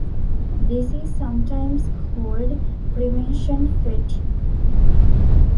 This is sometimes called "prevention fatigue".